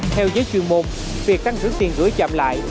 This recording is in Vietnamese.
theo giới chuyên môn việc tăng trưởng tiền gửi chậm lại